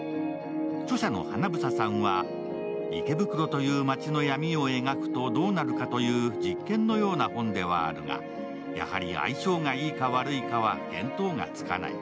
著者の花房さんは池袋という街の闇を描くとどうなるかという実験のような本ではあるが、やはり相性がいいか悪いかは見当がつかない。